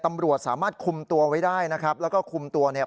ตำรวจสามารถคุมตัวไว้ได้นะครับแล้วก็คุมตัวเนี่ย